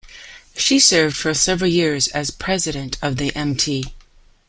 She served for several years as president of the Mt.